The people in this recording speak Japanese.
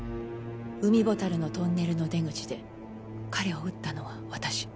海ボタルのトンネルの出口で彼を撃ったのは私。